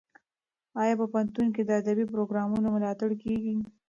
ایا په پوهنتون کې د ادبي پروګرامونو ملاتړ کیږي؟